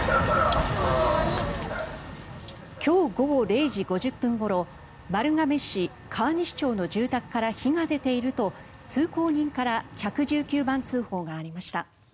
今日午後０時５０分ごろ丸亀市川西町南の住宅から火が出ていると、通行人から１１９番通報がありました。